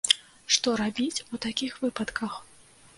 Што рабіць у такіх выпадках?